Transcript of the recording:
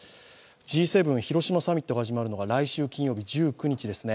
Ｇ７サミットが始まるのが来週１９日ですね。